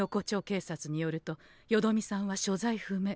警察によるとよどみさんは所在不明。